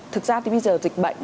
thực ra thì bây giờ dịch bệnh